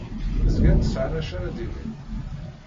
Zgan sɛan acu ara d-inin.